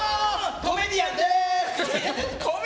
コメディアンです！